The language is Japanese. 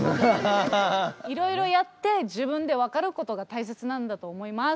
いろいろやって自分で分かることが大切なんだと思います。